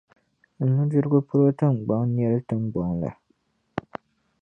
nudirigu polo tiŋgban'nɛli tiŋgbɔŋ la.